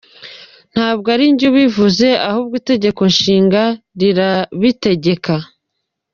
Ntabwo arinjye ubivuze, ahubwo Itegeko Nshinga rirabitegeka.